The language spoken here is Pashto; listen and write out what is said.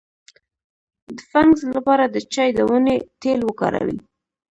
د فنګس لپاره د چای د ونې تېل وکاروئ